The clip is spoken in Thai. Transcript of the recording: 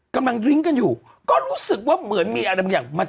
กำลังหลิงกันไงกัน